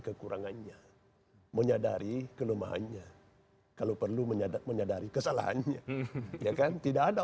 kekurangannya menyadari kelemahannya kalau perlu menyadari menyadari kesalahannya ya kan tidak ada